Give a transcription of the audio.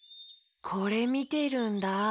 これみてるんだ。